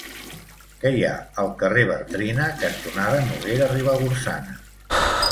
Què hi ha al carrer Bartrina cantonada Noguera Ribagorçana?